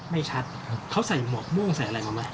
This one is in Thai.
มีใส่อะไรมาไหม